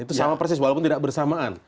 itu sama persis walaupun tidak bersamaan